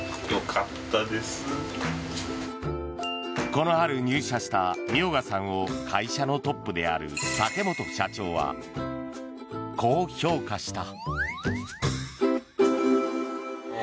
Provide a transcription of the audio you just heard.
この春、入社した明賀さんを会社のトップである竹本社長はこう評価した。